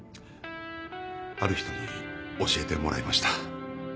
ある人に教えてもらいました。